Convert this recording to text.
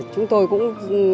chúng tôi cũng